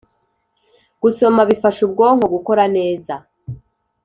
Gusoma bifasha ubwonko gukora neza